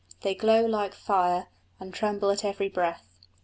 They glow like fire, and tremble at every breath.